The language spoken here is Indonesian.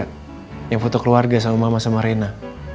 yang foto keluarga sama mama sama rena